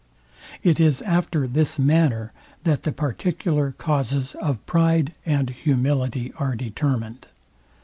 It is after this manner, that the particular causes of pride and humility are determined.